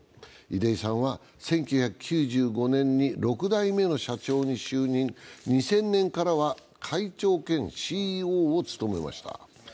出井さんは１９９５年に６代目の社長に就任、２０００年からは会長兼ＣＥＯを務めました。